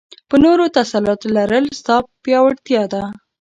په نورو تسلط لرل؛ ستا پياوړتيا ده.